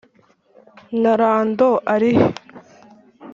Na Lando alihe?